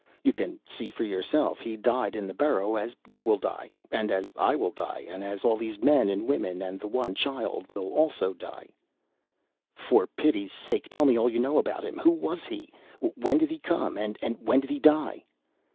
"You can see for yourself. He died in the burrow as you will die, and I will die, and as all these men and women and the one child will also die." "For pity's sake tell me all you know about him. Who was he? When did he come, and when did he die?"